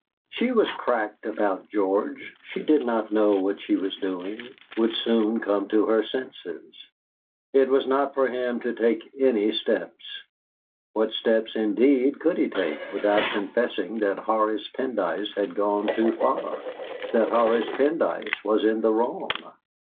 She was cracked about George; she did not know what she was doing; would soon come to her senses. It was not for him to take any steps. What steps, indeed, could he take without confessing that Horace Pendyce had gone too far, that Horace Pendyce was in the wrong?